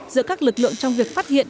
giữa các lực lượng trong việc phát hiện